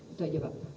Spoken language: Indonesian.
itu aja pak